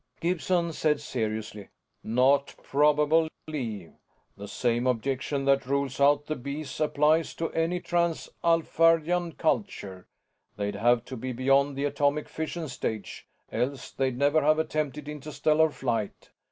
Gibson said seriously, "Not probable, Lee. The same objection that rules out the Bees applies to any trans Alphardian culture they'd have to be beyond the atomic fission stage, else they'd never have attempted interstellar flight.